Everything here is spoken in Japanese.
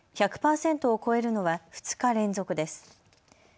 １００％を超えるのは２日連続です。